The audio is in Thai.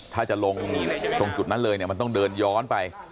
ถ้าจะลงตรงจุดนั้นเลยเนี่ยมันต้องเดินย้อนไป